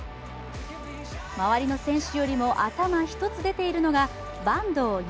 周りの選手よりも頭一つ出ているのが坂東悠